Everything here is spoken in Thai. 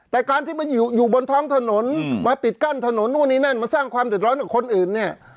แต่การที่มาอยู่บนท้องถนนมาปิดกั้นถนนนู่นนี่นั่นมาสร้างความเดือดร้อนกับคนอื่นเนี่ย